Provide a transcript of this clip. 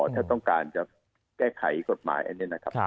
ถ้าต้องการจะแก้ไขกฎหมายอันนี้นะครับ